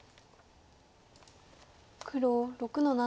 黒６の七。